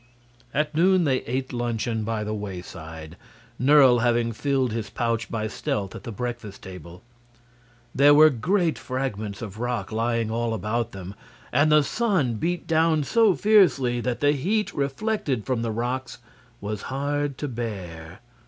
At noon they ate luncheon by the wayside, Nerle having filled his pouch by stealth at the breakfast table. There were great fragments of rock lying all about them, and the sun beat down so fiercely that the heat reflected from the rocks was hard to bear.